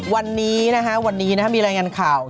วันนี้นะฮะวันนี้มีรายงานข่าว